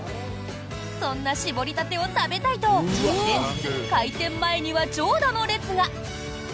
そんな搾りたてを食べたいと連日、開店前には長蛇の列が。